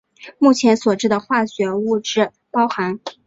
目前所知的化学物质包含。